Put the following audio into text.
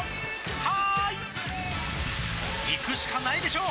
「はーい」いくしかないでしょ！